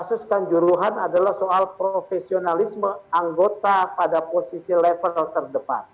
kasus kanjuruhan adalah soal profesionalisme anggota pada posisi level terdepan